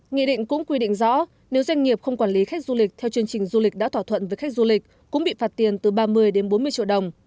nghị định cũng quy định rõ nếu doanh nghiệp không quản lý khách du lịch theo chương trình du lịch đã thỏa thuận với khách du lịch cũng bị phạt tiền từ ba mươi đến bốn mươi triệu đồng